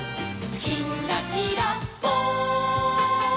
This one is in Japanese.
「きんらきらぽん」